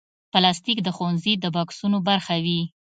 پلاستيک د ښوونځي د بکسونو برخه وي.